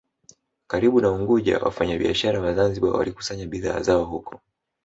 karibu na Unguja Wafanyabiashara wa Zanzibar walikusanya bidhaa zao huko